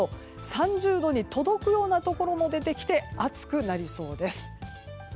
３０度に届くようなところも出てきて暑くなりそうです。